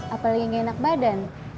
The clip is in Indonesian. apalagi gak enak badan